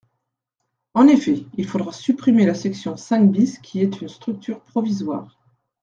En effet, il faudra supprimer la section cinq bis qui est une structure provisoire.